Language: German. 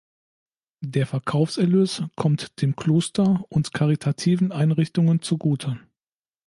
Der Verkaufserlös kommt dem Kloster und karitativen Einrichtungen zugute.